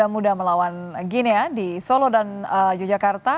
mudah melawan guinea di solo dan yogyakarta